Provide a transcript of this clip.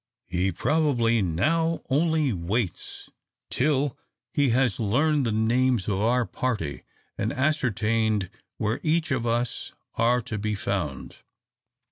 He probably now only waits till he has learned the names of our party, and ascertained where each of us are to be found."